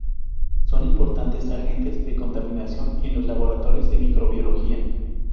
Son importantes agentes de contaminación en los laboratorios de microbiología.